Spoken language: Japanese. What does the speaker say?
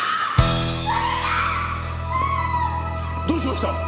どうしました？